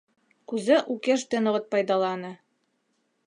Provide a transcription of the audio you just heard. Кузе укешт дене от пайдалане!